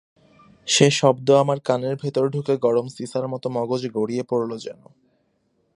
সে শব্দ আমার কানের ভেতর ঢুকে গরম সিসার মতো মগজে গড়িয়ে পড়ল যেন।